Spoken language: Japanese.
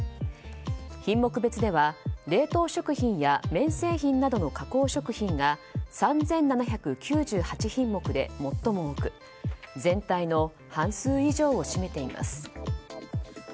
品目別では、冷凍食品や麺製品などの加工食品が３７９８品目で最も多く全体の半数以上を占めています。